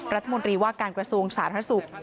รัฐมนตรีว่าการกระทรวงสาธารณสุข